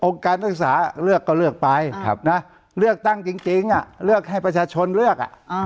การศึกษาเลือกก็เลือกไปเลือกตั้งจริงเลือกให้ประชาชนเลือก